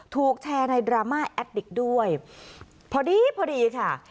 ถูกแชร์ในดราม่าแอดดิกด้วยพอดีพอดีค่ะ